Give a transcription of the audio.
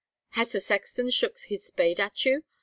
"Has the sexton shook his spade at you?"